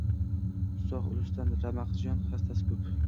Sogʼ ulusdan ramaqijon xastasi koʼp